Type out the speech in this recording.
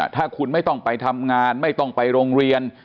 ถ้าคุณไม่ต้องไปทำงานไม่ต้องไปโรงเรียน